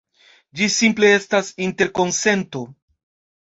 Ĝi simple estas interkonsento.